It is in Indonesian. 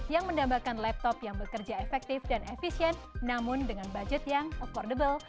yang mendambakan laptop yang bekerja efektif dan efisien namun dengan budget yang affordable